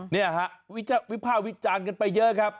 นี่นะครับวิภาวิจารณ์กันไปเยอะครับ